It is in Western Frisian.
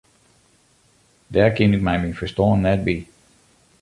Dêr kin ik mei myn ferstân net by.